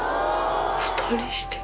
２人して。